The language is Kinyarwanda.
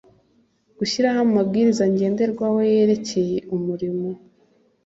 Gushyiraho amabwiriza ngenderwaho yerekeye umurimo